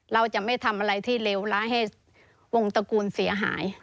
เราจะไม่ทำอะไรที่เลวร้ายให้วงตระกูลเสียหาย